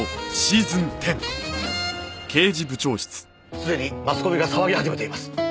すでにマスコミが騒ぎ始めています。